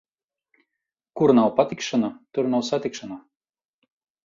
Kur nav patikšana, tur nav satikšana.